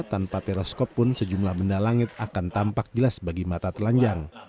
tanpa teoskop pun sejumlah benda langit akan tampak jelas bagi mata telanjang